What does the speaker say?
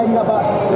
pesangka lain pak